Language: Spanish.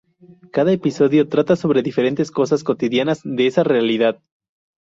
Cada episodio trata sobre diferentes cosas cotidianas de esa realidad.